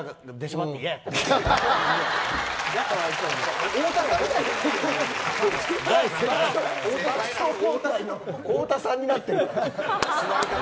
爆笑の太田さんになってる。